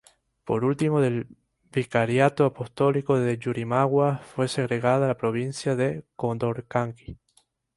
Por último del Vicariato Apostólico de Yurimaguas fue segregada la Provincia de Condorcanqui.